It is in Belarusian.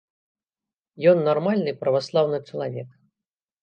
Ён нармальны праваслаўны чалавек.